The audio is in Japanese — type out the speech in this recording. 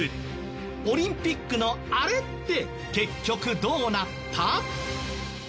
オリンピックのあれって結局どうなった？